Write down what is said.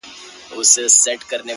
سترگي دي پټي كړه ويدېږمه زه!